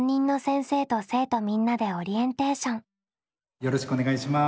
よろしくお願いします。